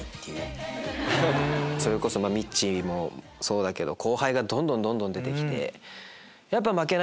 それこそみっちーもそうだけど後輩がどんどんどんどん出て来て。